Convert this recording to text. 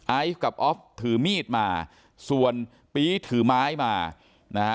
ไอซ์กับออฟถือมีดมาส่วนปี๊ถือไม้มานะฮะ